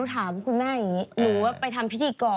ถามคุณแม่อย่างนี้หนูว่าไปทำพิธีกร